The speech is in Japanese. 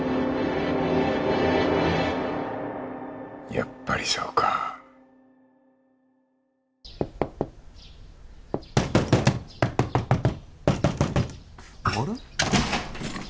やっぱりそうかあれ？